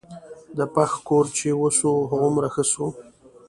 د پښ کور چې وسو هغومره ښه سو.